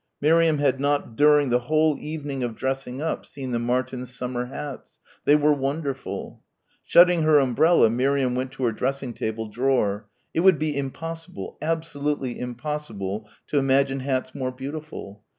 Miriam had not during the whole evening of dressing up seen the Martins' summer hats.... They were wonderful. Shutting her umbrella Miriam went to her dressing table drawer.... It would be impossible, absolutely impossible ... to imagine hats more beautiful....